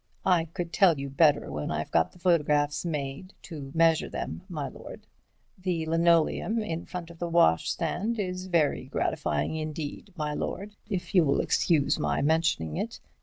I could tell you better when I've got the photographs made, to measure them, my lord. The linoleum in front of the washstand is very gratifying indeed, my lord, if you will excuse my mentioning it.